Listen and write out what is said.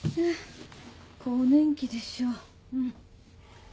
更年期でしょ。